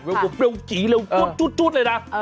เร็วจี๋เร็วจุดเลยนะ